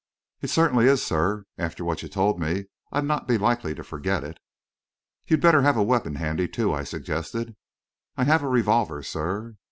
"It certainly is, sir. After what you told me, I'd not be likely to forget it." "You'd better have a weapon handy, too," I suggested. "I have a revolver, sir."